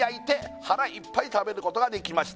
「腹いっぱい食べることができました」